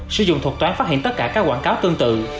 sử dụng thuật toán phát hiện tất cả các quảng cáo tương tự